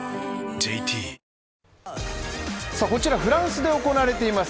ＪＴフランスで行われています